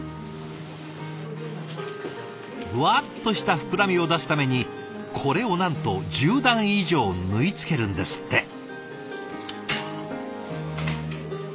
ふわっとした膨らみを出すためにこれをなんと１０段以上縫い付けるんですって。